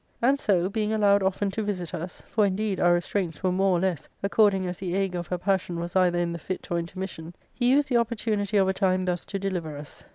And so, being allowed often to visit us — ^for indeed our restraints were more or less, according as the ague of her passion was either in the fit or intermission — he used the opportunity of a time thus to deliver us.